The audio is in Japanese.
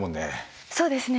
そうですね。